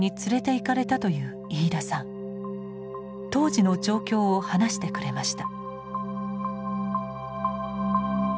当時の状況を話してくれました。